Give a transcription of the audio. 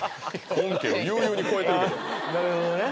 本家を優に超えてるでなるほどね